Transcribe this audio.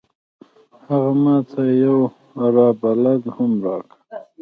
هغه ما ته یو راه بلد هم راکړ.